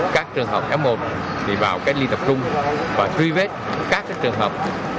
các trường hợp f một thì vào cách ly tập trung và truy vết các trường hợp